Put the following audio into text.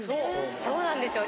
そうなんですよ。